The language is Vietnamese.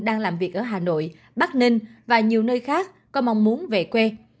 đang làm việc ở hà nội bắc ninh và nhiều nơi khác có mong muốn về quê